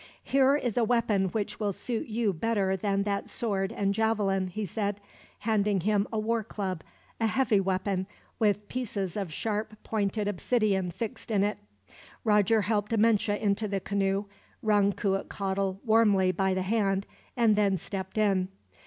"Here is a weapon which will suit you better than that sword and javelin," he said, handing him a war club, a heavy weapon, with pieces of sharp pointed obsidian fixed in it. Roger helped Amenche into the canoe, wrung Cuitcatl warmly by the hand, and then stepped in.